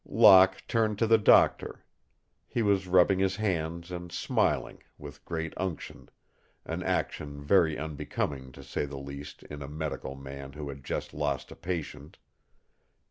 Locke turned to the doctor. He was rubbing his hands, and smiling, with great unction, an action very unbecoming, to say the least, in a medical man who had just lost a patient.